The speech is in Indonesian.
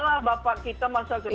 yalah bapak kita masa ketawa